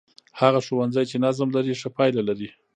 هغه ښوونځی چې نظم لري، ښه پایله لري.